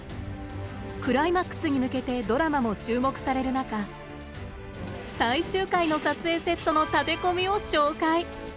クライマックスに向けてドラマも注目される中最終回の撮影セットの建て込みを紹介！